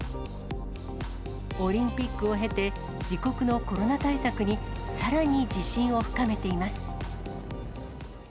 オリンピックを経て、自国のコロナ対策に、さらに自信を深めています。